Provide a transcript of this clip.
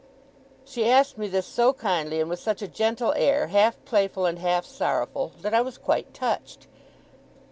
She asked me this so kindly, and with such a gentle air, half playful and half sorrowful, that I was quite touched.